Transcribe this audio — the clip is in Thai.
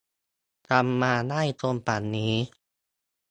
ทำมาได้จนป่านนี้